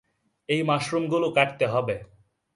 এই মাশরুমগুলো কাটতে হবে।